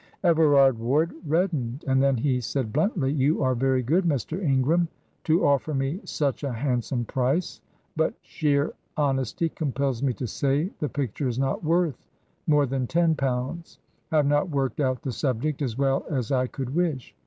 Everard Ward reddened, and then he said bluntly, "You are very good, Mr. Ingram, to offer me such a handsome price, but sheer honesty compels me to say the picture is not worth more than ten pounds. I have not worked out the subject as well as I could wish."